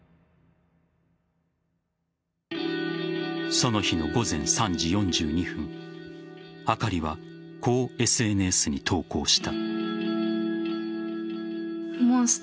その日の午前３時４２分あかりは、こうＳＮＳに投稿した。